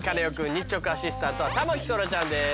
日直アシスタントは田牧そらちゃんです。